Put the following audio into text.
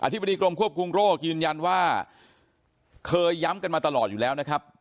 ธิบดีกรมควบคุมโรคยืนยันว่าเคยย้ำกันมาตลอดอยู่แล้วนะครับ